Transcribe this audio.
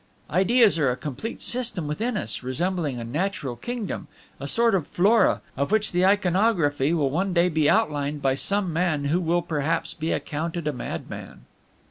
"Ideas are a complete system within us, resembling a natural kingdom, a sort of flora, of which the iconography will one day be outlined by some man who will perhaps be accounted a madman.